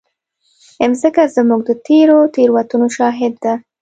مځکه زموږ د تېرو تېروتنو شاهد ده.